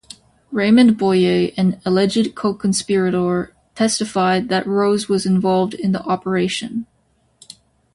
Raymond Boyer, an alleged co-conspirator, testified that Rose was involved in the operation.